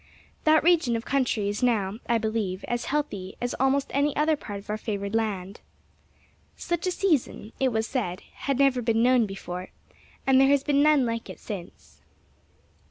That region of country is now, I believe, as healthy as almost any other part of our favored land. Such a season, it was said, had never been known before, and there has been none like it since.